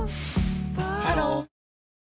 ハロー